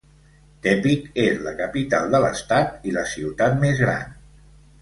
Tepic és la capital de l'estat, i la ciutat més gran.